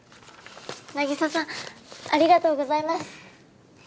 凪沙さんありがとうございます。